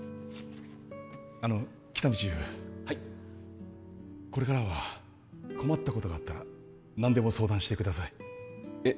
あの喜多見チーフはいこれからは困ったことがあったら何でも相談してくださいえっ？